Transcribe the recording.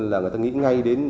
là người ta nghĩ ngay đến